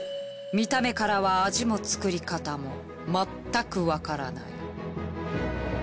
見た目からは味も作り方も全くわからない。